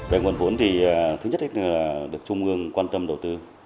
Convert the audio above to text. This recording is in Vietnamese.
về nguồn vốn thì thứ nhất là được trung ương quan tâm đầu tư